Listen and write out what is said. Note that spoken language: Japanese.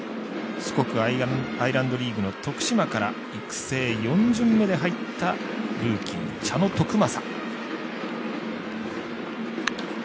四国アイランドリーグの徳島から育成４巡目で入ったルーキー茶野篤政。